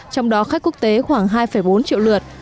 trong đó khách quốc tế khoảng hai bốn triệu lượt